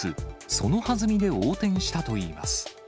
そのはずみで横転したといいます。